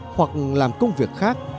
hoặc làm công việc khác